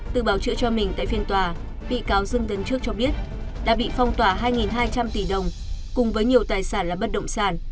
tự bảo chữa cho mình tại phiên tòa bị cáo dương tấn trước cho biết đã bị phong tỏa hai hai trăm linh tỷ đồng cùng với nhiều tài sản là bất động sản